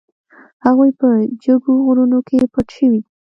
هغوی په جګو غرونو کې پټ شوي دي.